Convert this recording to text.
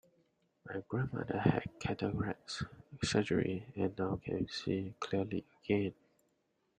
My grandmother had cataracts surgery and now can see clearly again.